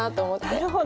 なるほど！